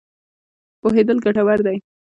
پوهېدل ګټور دی.